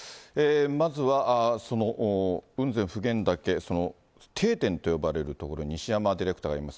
まずは、雲仙・普賢岳、その定点と呼ばれる所に、西山ディレクターがいます。